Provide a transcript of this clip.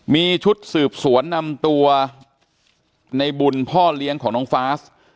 มีชุดสืบสวนนำตัวในบุญพ่อเลี้ยงของน้องฟาส